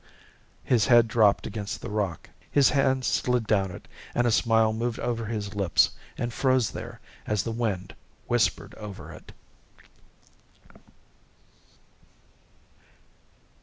His head dropped against the rock. His hands slid down it, and a smile moved over his lips and froze there as the wind whispered over it.